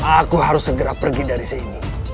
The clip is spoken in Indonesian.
aku harus segera pergi dari sini